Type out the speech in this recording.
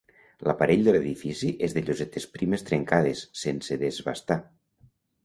L'aparell de l'edifici és de llosetes primes trencades, sense desbastar.